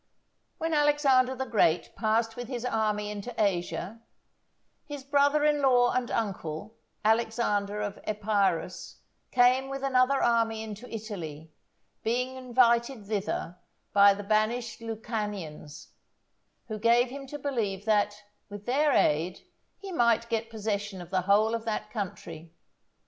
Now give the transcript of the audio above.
When Alexander the Great passed with his army into Asia, his brother in law and uncle, Alexander of Epirus, came with another army into Italy, being invited thither by the banished Lucanians, who gave him to believe that, with their aid, he might get possession of the whole of that country.